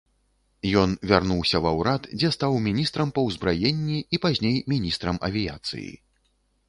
Ён вярнуўся ва ўрад, дзе стаў міністрам па ўзбраенні і пазней міністрам авіяцыі.